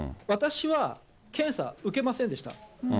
私は検査受けませんでした。